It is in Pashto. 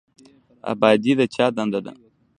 ابادي د چا دنده ده؟